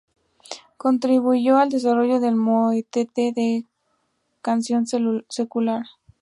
Contribuyó al desarrollo del motete y de la canción secular.